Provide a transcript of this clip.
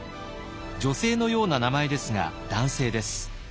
女性のような名前ですが男性です。